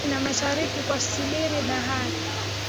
inapatikana kusini na mashariki mwa Siberia Bahari